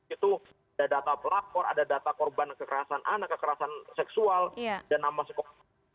itu ada data pelapor ada data korban kekerasan anak kekerasan seksual dan nama sekolah